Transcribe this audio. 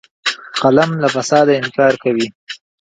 قلم له فساده انکار کوي